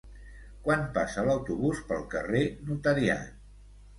Quan passa l'autobús pel carrer Notariat?